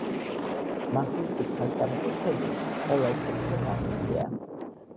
მახვილკუთხა სამკუთხედი-ყველა კუთხე მახვილია.